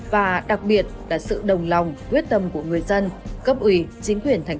và đặc biệt là sự đồng lòng quyết tâm của người dân cấp ủy chính quyền tp thủ đức